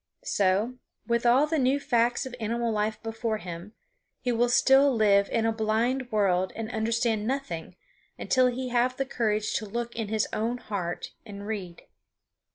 So, with all the new facts of animal life before him, he will still live in a blind world and understand nothing until he have the courage to look in his own heart and read.